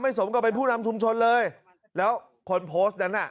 สมกับเป็นผู้นำชุมชนเลยแล้วคนโพสต์นั้นน่ะ